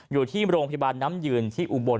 อยู่ที่โรงพยาบาลน้ำยืนที่อุบล